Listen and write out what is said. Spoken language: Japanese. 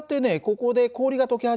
ここで氷がとけ始めるね。